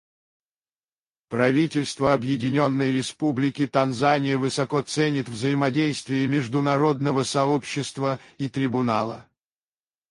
Правительство Объединенной Республики Танзания высоко ценит взаимодействие международного сообщества и Трибунала.